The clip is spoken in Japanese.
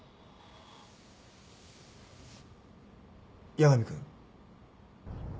八神君？